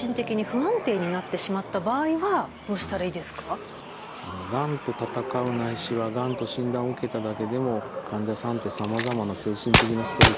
もしですねがんと闘うないしはがんと診断を受けただけでも患者さんってさまざまな精神的なストレスを受けます。